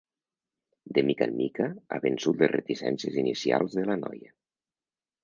De mica en mica ha vençut les reticències inicials de la noia.